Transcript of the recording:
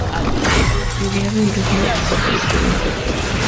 Su idea de un ritmo de conducir no es fuerte o nada.